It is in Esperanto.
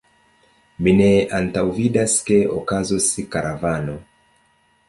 Mi ne antaŭvidas ke okazos karavano.